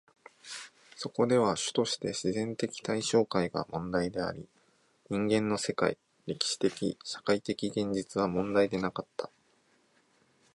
そこでは主として自然的対象界が問題であり、人間の世界、歴史的・社会的現実は問題でなかった。